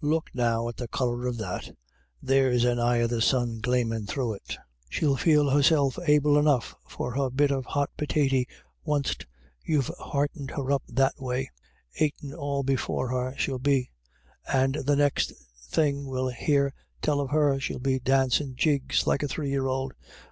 Look, now, at the colour of that ; there's an eye of the sun glamin' through it. She'll feel herself able enough for her bit of hot pitaty wunst you've heartened her up that way — aitin' all before her she'll be ; and the next thing we hare tell of her, she'll be dancin' jigs like a three year old.